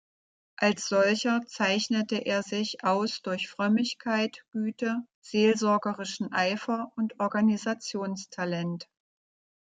Als solcher zeichnete er sich aus durch Frömmigkeit, Güte, seelsorgerischen Eifer und Organisationstalent.